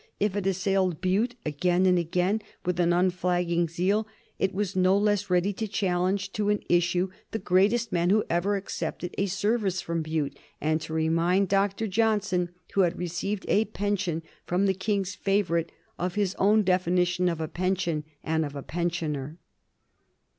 If it assailed Bute again and again with an unflagging zeal, it was no less ready to challenge to an issue the greatest man who over accepted a service from Bute, and to remind Dr. Johnson, who had received a pension from the King's favorite, of his own definition of a pension and of a pensioner.